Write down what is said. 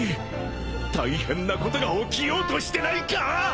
大変なことが起きようとしてないか！？